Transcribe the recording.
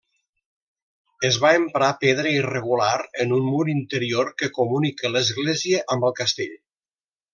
Es va emprar pedra irregular en un mur interior que comunica l'església amb el castell.